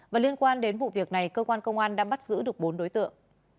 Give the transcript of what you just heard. và liên quan đến vụ việc này cơ quan công an đã bắt giữ được bốn đối tượng